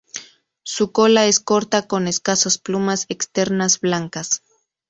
Su cola es corta con escasas plumas externas blancas.